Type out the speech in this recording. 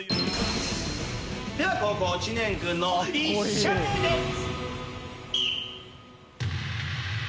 では後攻知念君の１射目です。